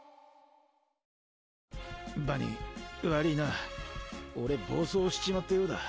バニー悪ぃな俺暴走しちまったようだ。